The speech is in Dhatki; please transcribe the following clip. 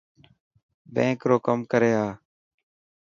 بينڪ رو ڪم ڪري آءِ.